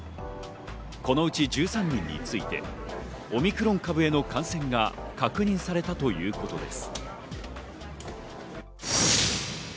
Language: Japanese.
このうち１３人についてオミクロン株への感染が確認されたということです。